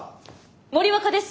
森若です。